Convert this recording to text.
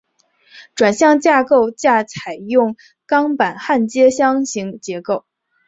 转向架构架采用钢板焊接箱型结构。